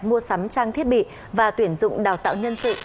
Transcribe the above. mua sắm trang thiết bị và tuyển dụng đào tạo nhân sự